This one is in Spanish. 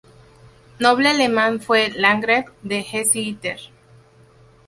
Noble alemán fue landgrave de Hesse-Itter.